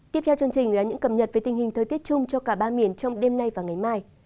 tiếp theo chương trình là những cập nhật về tình hình thời tiết chung cho cả ba miền trong đêm nay và ngày mai